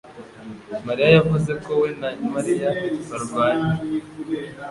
mariya yavuze ko we na Mariya barwanye